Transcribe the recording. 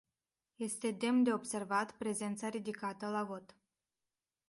Este demn de observat prezența ridicată la vot.